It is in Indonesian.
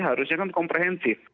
harusnya kan komprehensif